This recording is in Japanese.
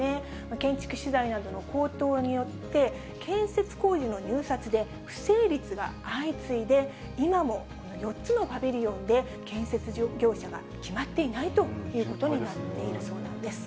建築資材などの高騰によって、建設工事の入札で不成立が相次いで、今も４つのパビリオンで、建設業者が決まっていないということになっているそうなんです。